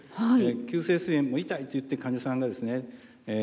急性すい炎も痛いと言って患者さんがですね